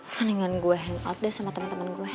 mendingan gue hangout deh sama temen temen gue